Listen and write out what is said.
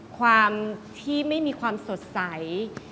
ความที่ไม่มีความสดใส